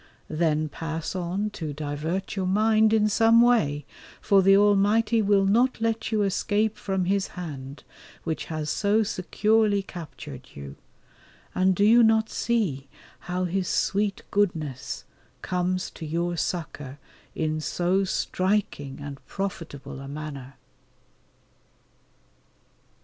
Then pass on to divert your mind in some way, for the Almighty will not let you escape from His hand, which has so securely captured you, and do you not see how His sweet goodness comes to your succour in so striking and profitable a manner?